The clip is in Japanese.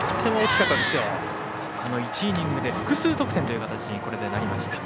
１イニングで複数得点という形にこれでなりました。